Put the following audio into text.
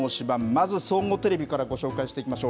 まず総合テレビからご紹介していきましょう。